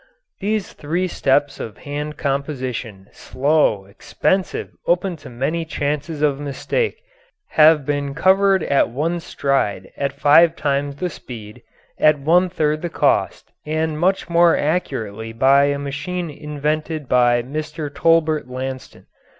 These three steps of hand composition, slow, expensive, open to many chances of mistake, have been covered at one stride at five times the speed, at one third the cost, and much more accurately by a machine invented by Mr. Tolbert Lanston.